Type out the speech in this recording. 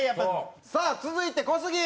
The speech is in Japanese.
さあ続いて小杉。